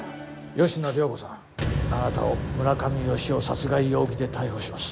吉野涼子さんあなたを村上好夫殺害容疑で逮捕します。